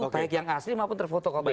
baik yang asli maupun terfotokopi